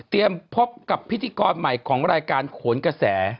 พบกับพิธีกรใหม่ของรายการโขนกระแส